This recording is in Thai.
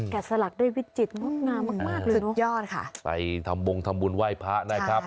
แก่สลักด้วยวิจิตรมักงามมากเลยเนอะสุดยอดค่ะไปทำวงทำบุญไหว้พระได้ครับ